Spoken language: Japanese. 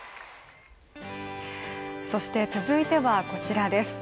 そして、続いてはこちらです。